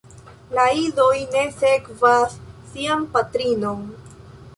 La idoj ne sekvas sian patrinon.